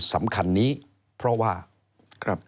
สำคัญนี้เพราะว่าครับ